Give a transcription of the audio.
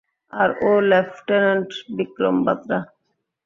আর ও লেফটেন্যান্ট বিক্রম বাতরা।